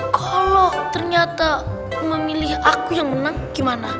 kalau ternyata memilih aku yang menang gimana